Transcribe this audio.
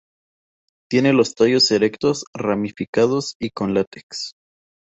Tiene los tallos erectos, ramificados y con látex.